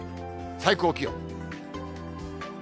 最高気温。